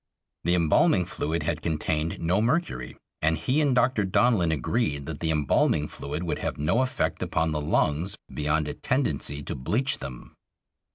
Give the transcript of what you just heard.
The embalming fluid had contained no mercury, and he and Dr. Donlin agreed that the embalming fluid would have no effect upon the lungs beyond a tendency to bleach them.